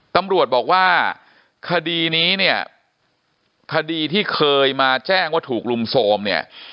ตำรวจบอกว่าคดีนี้เนี่ยคดีที่เคยมาแจ้งว่าถูกลุมโทรมเนี่ย